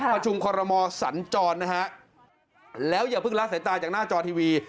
ประชุมคอรมอสัญจรนะฮะแล้วอย่าเพิ่งละสายตาจากหน้าจอทีวี